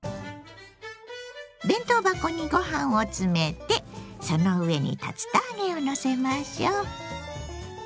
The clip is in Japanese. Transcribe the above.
弁当箱にご飯を詰めてその上に竜田揚げをのせましょう。